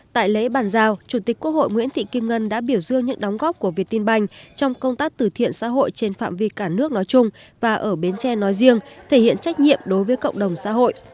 tại lễ bàn giao chủ tịch quốc hội nguyễn thị kim ngân đã biểu dương những đóng góp của việt tiên banh trong công tác từ thiện xã hội trên phạm vi cả nước nói chung và ở bến tre nói riêng thể hiện trách nhiệm đối với cộng đồng xã hội